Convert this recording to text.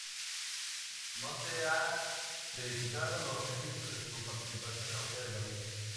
No se han verificado los registros de su participación en la Batalla de Berlín.